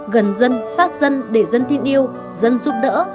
gần dân sát dân để dân tin yêu dân giúp đỡ